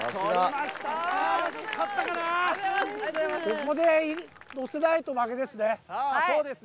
ここで乗せないと負けですね。